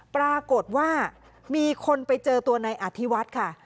ปรากฏว่ามีคนไปเจอตัวนายอธิวัฒน์ค่ะ